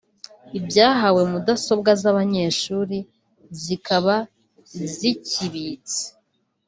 ibyahawe mudasobwa z’abanyeshuri zikaba zikibitse